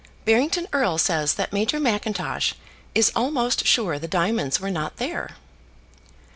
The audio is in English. "Barrington Erle says that Major Mackintosh is almost sure the diamonds were not there."